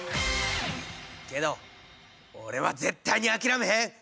けど俺は絶対に諦めへん！